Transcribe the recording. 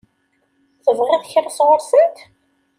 Tebɣiḍ kra sɣur-sent?